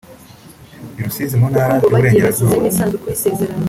I Rusizi mu Ntara y’Iburengerazuba